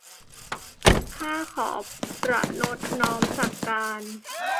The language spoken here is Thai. ข้าขอประณตน้อมสักการ